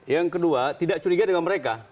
yang kedua tidak curiga dengan mereka